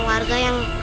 satu barang masuk